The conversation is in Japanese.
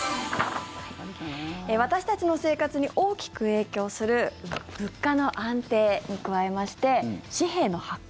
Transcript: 私たちの生活に大きく影響する物価の安定に加えまして紙幣の発行